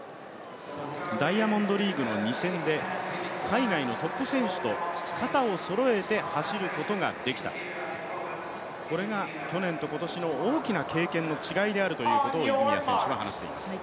ダイヤモンドリーグの２戦で海外のトップ選手と肩をそろえて走ることができた、これが去年と今年の大きな経験の違いであるということを泉谷選手は話しています。